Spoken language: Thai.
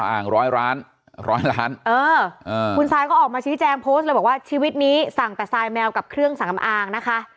อ่างร้อยล้านร้อยล้านเออคุณซายก็ออกมาชี้แจงโพสต์เลยบอกว่าชีวิตนี้สั่งแต่ทรายแมวกับเครื่องสำอางนะคะ